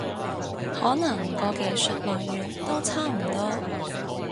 可能個技術來源都差唔多